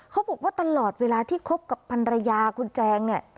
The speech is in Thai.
เขาบอกว่าตลอดเวลาที่คบกับพันรยาคุณแจงเนี่ย